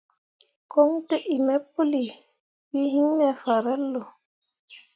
Koɲ tǝ iŋ me pǝlii, we hyi me fahrelle.